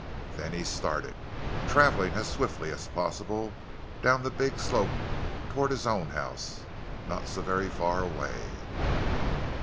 Then he started, traveling as swiftly as possible down the big slope toward his own house, not so very far away.